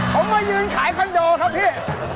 ผมมายืนขายคอนโดครับพี่